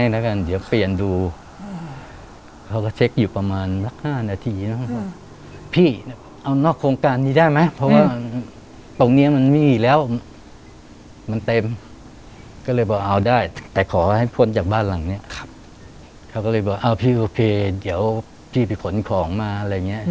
เราก็มองเราก็นึกว่าเป็นอาเรา